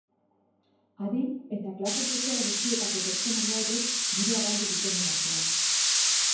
Adin eta klase sozial guztietako pertsonak daude dirua galdu dutenen artean.